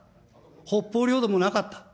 北方領土もなかった。